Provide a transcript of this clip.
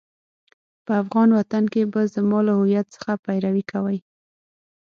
په افغان وطن کې به زما له هويت څخه پيروي کوئ.